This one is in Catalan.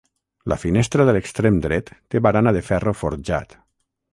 La finestra de l'extrem dret té barana de ferro forjat.